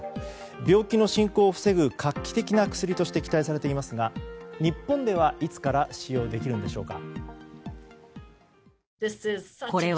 病気の進行を防ぐ画期的な薬として期待されていますが日本では、いつから使用できるのでしょうか。